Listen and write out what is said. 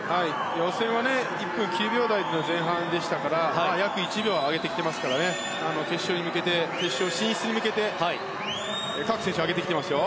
予選は１分９秒台の前半でしたから約１秒上げてきていますから決勝進出に向けて各選手、上げてきてますよ。